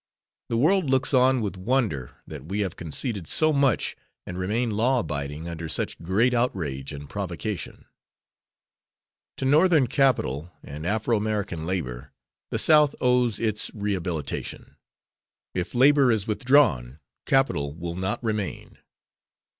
The world looks on with wonder that we have conceded so much and remain law abiding under such great outrage and provocation. To Northern capital and Afro American labor the South owes its rehabilitation. If labor is withdrawn capital will not remain.